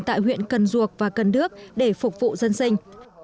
tại huyện cần duộc và cần đước để phục vụ dân sinh